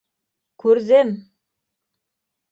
- Күрҙем!